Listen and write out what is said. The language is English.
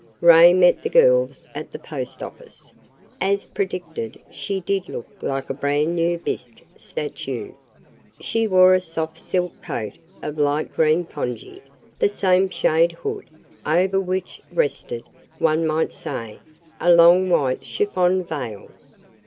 Ray met the girls at the post office. As predicted, she did look like a brand new bisque statue. She wore a soft silk coat, of light green pongee, the same shade hood, over which "rested," one might say, a long white chiffon veil.